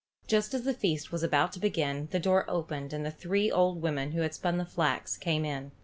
Just as the feast was about to begin the door opened and the three old women who had spun the flax came in.